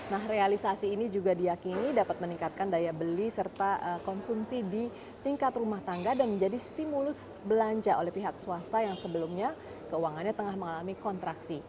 nah realisasi ini juga diakini dapat meningkatkan daya beli serta konsumsi di tingkat rumah tangga dan menjadi stimulus belanja oleh pihak swasta yang sebelumnya keuangannya tengah mengalami kontraksi